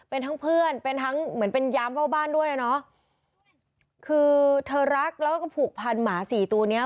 เป็นทั้งเพื่อนเป็นทั้งเหมือนเป็นยามเฝ้าบ้านด้วยอ่ะเนอะคือเธอรักแล้วก็ผูกพันหมาสี่ตัวเนี้ย